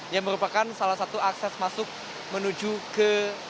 yang merupakan salah satu akses masuk menuju ke